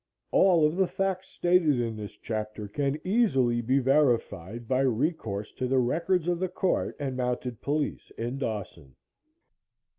All of the facts stated in this chapter can easily be verified by recourse to the records of the court and mounted police in Dawson.